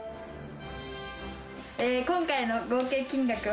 今回の合計金額は。